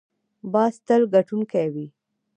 باز تل ګټونکی وي